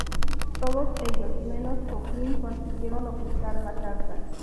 Todos ellos menos Jokin consiguieron ocultar la carta.